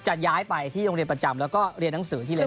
ย้ายไปที่โรงเรียนประจำแล้วก็เรียนหนังสือที่เลย